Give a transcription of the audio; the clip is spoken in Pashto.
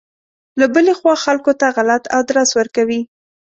له بلې خوا خلکو ته غلط ادرس ورکوي.